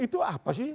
itu apa sih